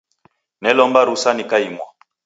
Nelomba rusa nikaimwa.